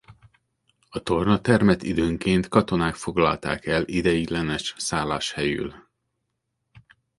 A tornatermet időnként katonák foglalták el ideiglenes szálláshelyül.